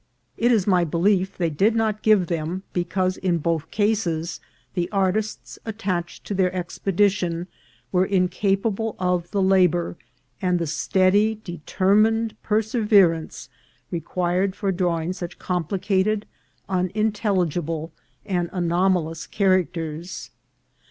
It is my belief they did not give them because in both cases the artists attached to their expedition were incapable of the labour, and the steady, deter mined perseverance required for drawing such compli cated, unintelligible, and anomalous characters.